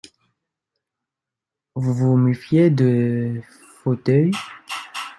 Vous vous méfiez de fauteuils.